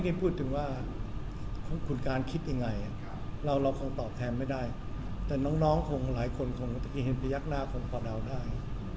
นี่พูดถึงว่าคุณการคิดยังไงเราคงตอบแทนไม่ได้แต่น้องคงหลายคนคงเห็นพยักหน้าคงกับเราได้